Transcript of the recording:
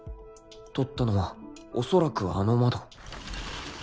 撮ったのはおそらくあの窓